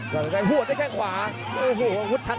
กระโดยสิ้งเล็กนี่ออกกันขาสันเหมือนกันครับ